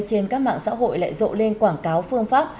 trên các mạng xã hội lại rộ lên quảng cáo phương pháp